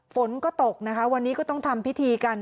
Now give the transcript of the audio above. ฝนก็ตกนะคะวันนี้ก็ต้องทำพิธีกัน